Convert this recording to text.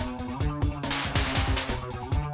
aduh aduh aduh